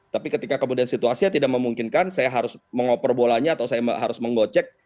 tapi ketika kemudian situasinya tidak memungkinkan saya harus mengoper bolanya atau saya harus menggocek